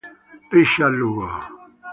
Richard Lugo